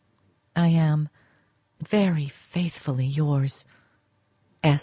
I am, very faithfully yours, S.